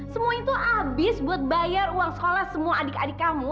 semuanya tuh abis buat bayar uang sekolah semua adik adik kamu